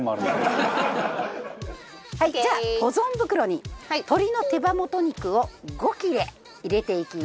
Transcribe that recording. はいじゃあ保存袋に鶏の手羽元肉を５切れ入れていきます。